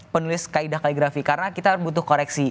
penulis kaedah kaligrafi karena kita butuh koreksi